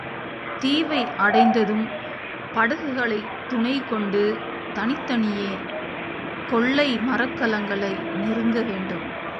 தீவை அடைந்ததும், படகுகளைத் துணைகொண்டு தனித்தனியே கொள்ளை மரக்கலங்களை நெருங்கவேண்டும்.